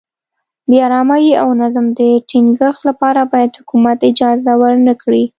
د ارامۍ او نظم د ټینګښت لپاره باید حکومت اجازه ورنه کړي.